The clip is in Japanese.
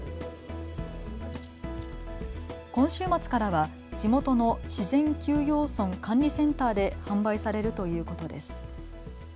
今週末からは地元の自然休養村管理センターで販売されるということです。